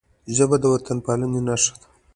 ژبه د وطنپالنې نښه ده